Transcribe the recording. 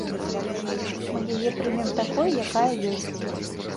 Мы яе прымем такой, якая ёсць.